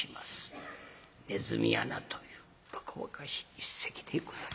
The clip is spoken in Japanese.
「ねずみ穴」というばかばかしい一席でござい。